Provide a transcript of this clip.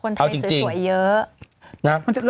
คนไทยสวยเยอะ